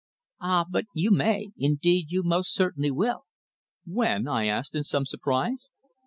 "Ah! but you may. Indeed, you most certainly will." "When?" I asked, in some surprise.